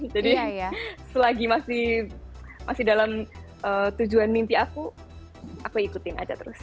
jadi selagi masih dalam tujuan mimpi aku aku ikutin aja terus